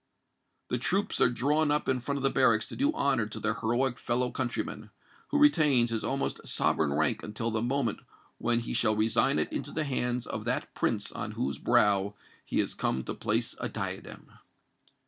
The troops are drawn up in front of the barracks to do honour to their heroic fellow countryman, who retains his almost sovereign rank until the moment when he shall resign it into the hands of that Prince on whose brow he has come to place a diadem.